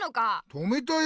止めたよ！